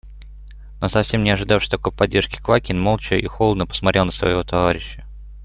Но совсем не ожидавший такой поддержки Квакин молча и холодно посмотрел на своего товарища.